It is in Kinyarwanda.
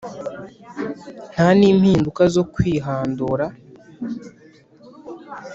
nta n’impindu zo kwihandura